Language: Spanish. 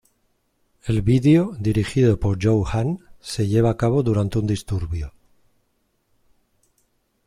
El vídeo, dirigido por Joe Hahn, se lleva a cabo durante un disturbio.